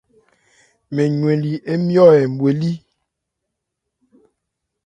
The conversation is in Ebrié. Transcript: Mɛn ywɛnli nmyɔ́ hɛ́n bhwelí.